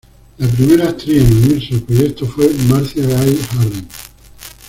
La primera actriz en unirse al proyecto fue Marcia Gay Harden.